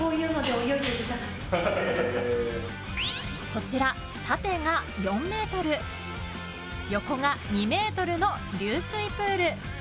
こちら、縦が４ｍ横が２ｍの流水プール。